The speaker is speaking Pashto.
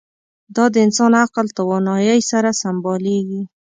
دا د انسان عقل توانایۍ سره سمبالېږي.